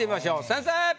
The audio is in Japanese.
先生！